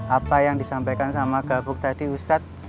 apa yang disampaikan sama gapuk tadi ustadz